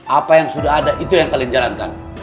apa yang sudah ada itu yang kalian jalankan